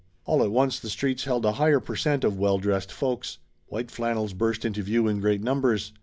All at once the streets held a higher per cent of well dressed folks. White flannels burst into view in great numbers.